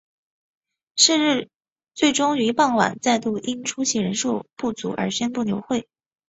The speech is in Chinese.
是日最终于傍晚再度因出席人数不足而宣布流会。